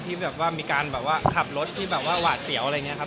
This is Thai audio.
ที่แบบว่ามีการแบบว่าขับรถที่แบบว่าหวาดเสียวอะไรอย่างนี้ครับ